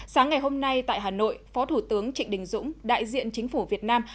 sáng ngày hôm nay tại hà nội phó thủ tướng trịnh đình dũng đại diện chính phủ việt nam